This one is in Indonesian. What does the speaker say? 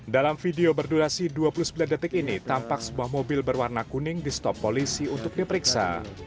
dalam video berdurasi dua puluh sembilan detik ini tampak sebuah mobil berwarna kuning di stop polisi untuk diperiksa